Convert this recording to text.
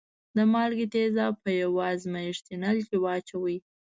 د مالګې تیزاب په یوه ازمیښتي نل کې واچوئ.